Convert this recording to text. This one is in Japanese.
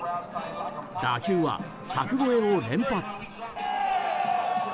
打球は柵越えを連発。